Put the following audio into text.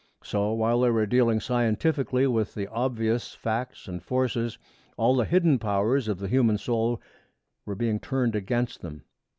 So, while they were dealing scientifically with the obvious facts and forces, all the hidden powers of the human soul were being turned against them.